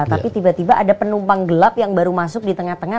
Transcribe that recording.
tapi tiba tiba ada penumpang gelap yang baru masuk di tengah tengah